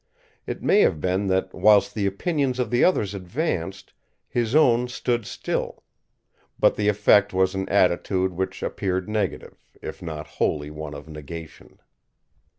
It may have been that whilst the opinions of the others advanced, his own stood still; but the effect was an attitude which appeared negative, if not wholly one of negation.